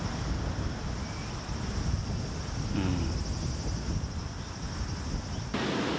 うん。